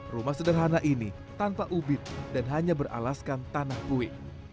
rumah sederhana ini tanpa ubib dan hanya beralaskan tanah kue